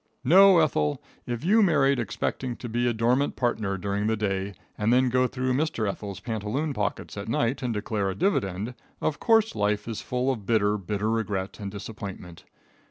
No, Ethel, if you married expecting to be a dormant partner during the day and then to go through Mr. Ethel's pantaloons pocket at night and declare a dividend, of course life is full of bitter, bitter regret and disappointment.